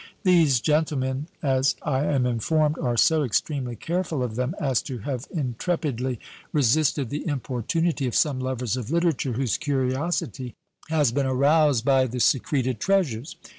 These gentlemen, as I am informed, are so extremely careful of them, as to have intrepidly resisted the importunity of some lovers of literature, whose curiosity has been aroused by the secreted treasures.